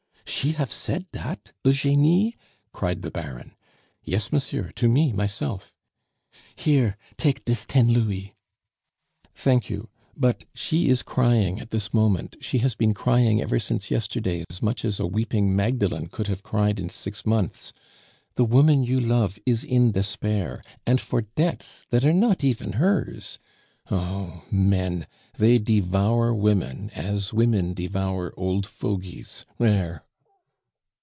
'" "She hafe said dat, Eugenie?" cried the Baron. "Yes, monsieur, to me, myself." "Here take dis ten louis." "Thank you. But she is crying at this moment; she has been crying ever since yesterday as much as a weeping Magdalen could have cried in six months. The woman you love is in despair, and for debts that are not even hers! Oh! men they devour women as women devour old fogies there!"